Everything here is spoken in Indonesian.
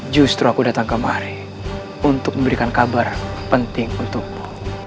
justru aku datang kemari untuk memberikan kabar penting untukmu